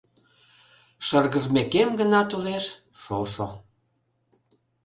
Шыргыжмекем гына толеш шошо –